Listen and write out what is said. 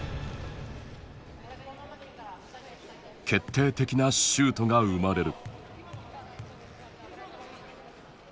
決定的なシュートが生まれる。